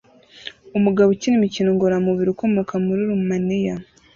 Umugabo ukina imikino ngororamubiri ukomoka muri Rumaniya